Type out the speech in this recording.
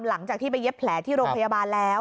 หลังจากที่ไปเย็บแผลที่โรงพยาบาลแล้ว